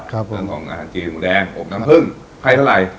เรื่องของอาหารจีนหมูแดงอบน้ำผึ้งให้เท่าไหร่